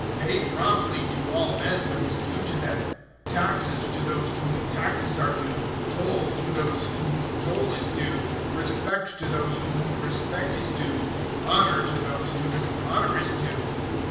013:007 Pay promptly to all men what is due to them: taxes to those to whom taxes are due, toll to those to whom toll is due, respect to those to whom respect is due, honour to those to whom honour is due.